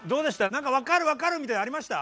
何か「分かる分かる」みたいのありました？